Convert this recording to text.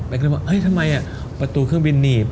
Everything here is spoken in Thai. แป๊กเลยว่าเฮ้ยทำไมประตูเครื่องบินหนี